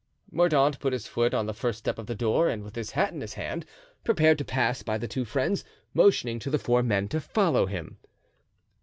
Mordaunt put his foot on the first step of the door and, with his hat in hand, prepared to pass by the two friends, motioning to the four men to follow him.